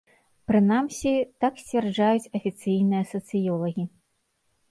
Прынамсі, так сцвярджаюць афіцыйныя сацыёлагі.